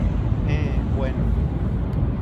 Héẽ, bueno.